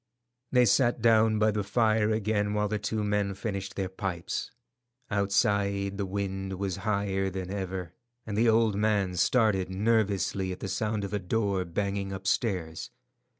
They sat down by the fire again while the two men finished their pipes. Outside, the wind was higher than ever, and the old man started nervously at the sound of a door banging upstairs.